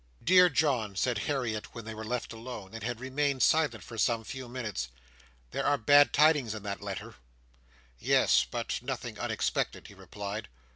"Dear John," said Harriet, when they were left alone, and had remained silent for some few moments. "There are bad tidings in that letter." "Yes. But nothing unexpected," he replied.